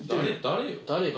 誰？